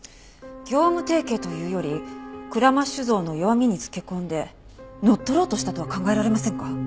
業務提携というより鞍馬酒造の弱みにつけ込んで乗っ取ろうとしたとは考えられませんか？